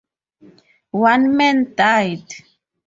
One man died.